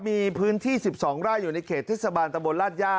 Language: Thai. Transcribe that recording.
มีพื้นที่๑๒ไร่อยู่ในเขตเทศบาลตะบนราชย่า